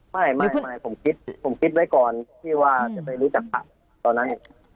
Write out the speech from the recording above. ไม่ผมคิดไว้ก่อนที่ว่าจะไปรู้จักค่ะตอนนั้น